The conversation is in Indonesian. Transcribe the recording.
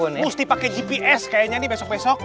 mesti pakai gps kayaknya nih besok besok